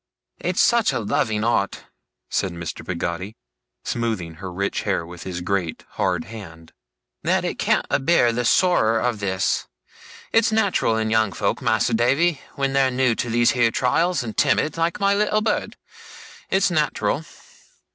'It's such a loving art,' said Mr. Peggotty, smoothing her rich hair with his great hard hand, 'that it can't abear the sorrer of this. It's nat'ral in young folk, Mas'r Davy, when they're new to these here trials, and timid, like my little bird, it's nat'ral.